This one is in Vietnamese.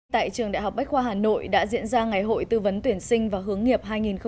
tại trường đại học bách khoa hà nội đã diễn ra ngày hội tư vấn tuyển sinh và hướng nghiệp hai nghìn hai mươi